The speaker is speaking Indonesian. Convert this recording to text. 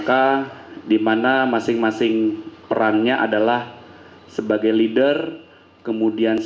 kami amankan ini masih layak masih berfungsi atau tidak